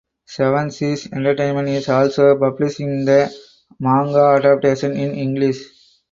Seven Seas Entertainment is also publishing the manga adaptation in English.